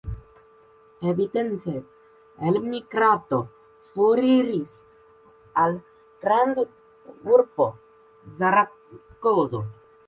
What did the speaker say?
Evidente elmigrado foriris al grandurbo Zaragozo.